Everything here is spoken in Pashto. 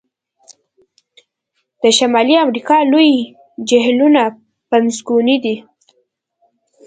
د شمالي امریکا لوی جهیلونه پنځګوني دي.